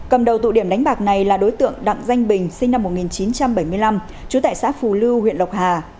cầm đầu tụ điểm đánh bạc này là đối tượng đặng danh bình sinh năm một nghìn chín trăm bảy mươi năm trú tại xã phù lưu huyện lộc hà